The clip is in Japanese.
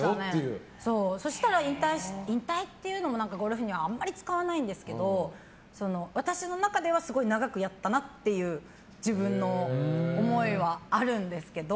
そうしたら引退っていうのもゴルフにはあんまり使わないんですけど私の中ではすごくやったなという自分の思いはあるんですけど。